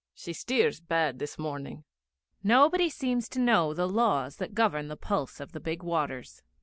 She steers bad this morning.' Nobody seems to know the laws that govern the pulse of the big waters.